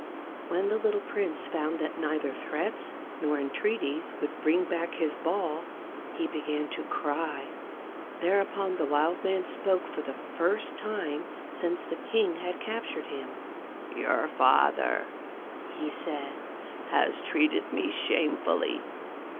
When the little prince found that neither threats nor entreaties would bring back his ball, he began to cry. Thereupon the wild man spoke for the first time since the king had captured him. "Your father," he said, "has treated me shamefully.